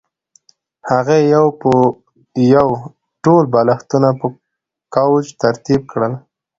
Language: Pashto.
هغې یو په یو ټول بالښتونه په کوچ ترتیب کړل